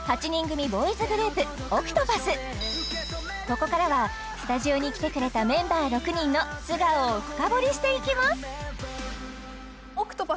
ここからはスタジオに来てくれたメンバー６人の素顔を深掘りしていきます！